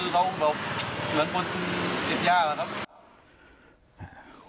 ก็คือเขาเหมือนคนเก็บยากนะครับ